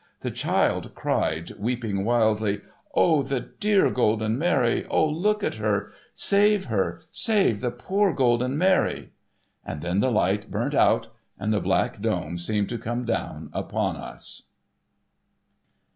The child cried, weei)ing wildly, 'O the dear ( lolden Mary ! O look at her ! Save her ! Save the poor Golden Mary !' And then the light burnt out, and the black dome seemed to come down upon us.